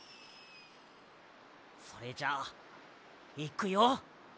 それじゃあいくよ！